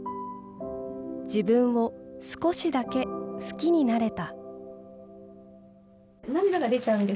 自分を少しだけ好きになれた。